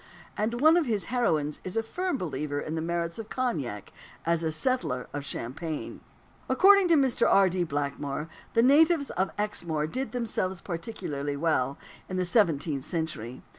And one of his heroines is a firm believer in the merits of cognac as a "settler" of champagne. According to Mr. R. D. Blackmore, the natives of Exmoor did themselves particularly well, in the seventeenth century.